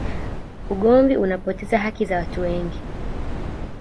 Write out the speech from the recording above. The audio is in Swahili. ugomvi unapoteza haki za watu wengi